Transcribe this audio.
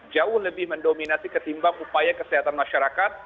jauh lebih mendominasi ketimbang upaya kesehatan masyarakat